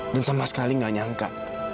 dan sama sekali gak nyangka